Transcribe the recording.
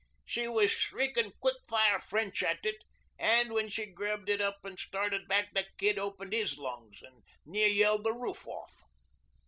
She was shriekin' quick fire French at it an' when she grabbed it up an' started back the kid opened 'is lungs an' near yelled the roof off.